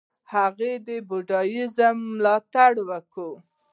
هغه د بودیزم ملاتړ وکړ.